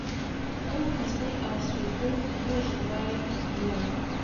ئەو کەسەی ئاسوودەو و خۆش ڕایبوارد،